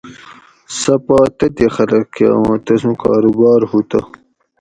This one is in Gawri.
سہ پا تتھی خلق کہ ہوں تسوں کاروبار ہُو تہ